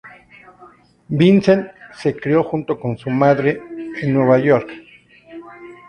Vincent se crió junto con su madre en Nueva York.